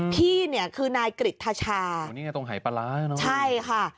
พี่เนี่ยคือนายกริฐชาตรงหายปลาร้าใช่ค่ะ